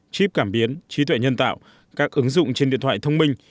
chip cảm biến trí tuệ nhân tạo các ứng dụng trên điện thoại thông minh